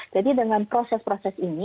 jadi dengan proses proses ini